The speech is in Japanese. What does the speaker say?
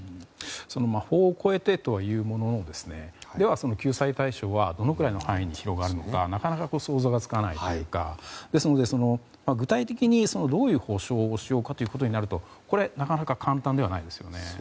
法を超えてというもののでは、救済対象はどのくらいの範囲に広がるのかなかなか想像がつかないというか具体的にどういう補償をしようかということになるとこれ、なかなか簡単ではないですね。